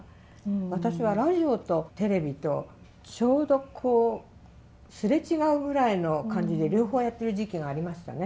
私はラジオとテレビとちょうどこう擦れ違うぐらいの感じで両方やってる時期がありましたね。